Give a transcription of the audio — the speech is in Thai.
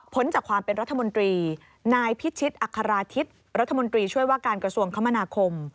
จากความเป็นรัฐมนตรีนายพิชิตอัคราทิศรัฐมนตรีช่วยว่าการกระทรวงคมนาคม